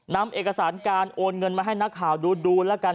นำเอกสารการโอนเงินมาให้นักข่าวดูแล้วกัน